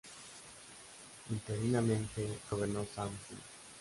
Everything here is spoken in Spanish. Interinamente gobernó Sam Hinds.